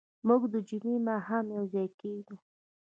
موږ د جمعې ماښام یوځای کېږو.